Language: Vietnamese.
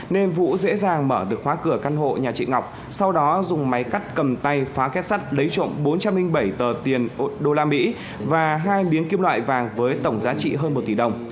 nên vũ dễ dàng mở được khóa cửa căn hộ nhà chị ngọc sau đó dùng máy cắt cầm tay phách sắt lấy trộm bốn trăm linh bảy tờ tiền đô la mỹ và hai miếng kim loại vàng với tổng giá trị hơn một tỷ đồng